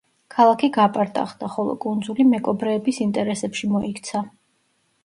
ქალაქი გაპარტახდა, ხოლო კუნძული მეკობრეების ინტერესებში მოიქცა.